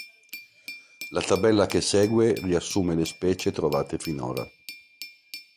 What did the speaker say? La tabella che segue riassume le specie trovate finora.